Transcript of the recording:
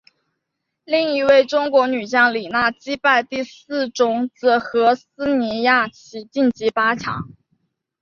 另一位中国女将李娜击败第四种籽禾丝妮雅琪晋级八强。